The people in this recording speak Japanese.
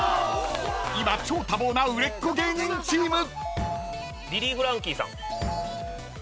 ［今超多忙な売れっ子芸人チーム］